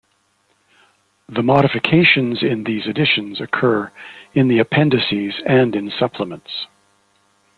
The modifications in these editions occur in the appendices and in supplements.